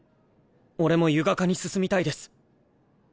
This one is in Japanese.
俺も油画科に進みたいです。